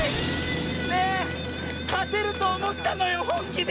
ねえかてるとおもったのよほんきで！